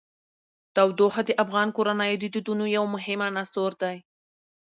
تودوخه د افغان کورنیو د دودونو یو مهم عنصر دی.